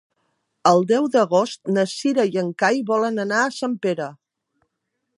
El deu d'agost na Cira i en Cai volen anar a Sempere.